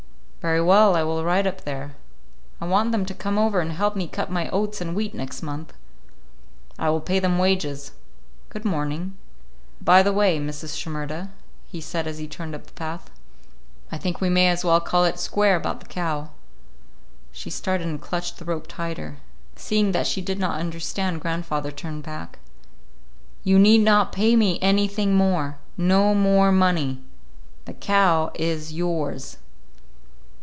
"Very well. I will ride up there. I want them to come over and help me cut my oats and wheat next month. I will pay them wages. Good morning. By the way, Mrs. Shimerda," he said as he turned up the path, "I think we may as well call it square about the cow." She started and clutched the rope tighter. Seeing that she did not understand, grandfather turned back. "You need not pay me anything more; no more money. The cow is yours."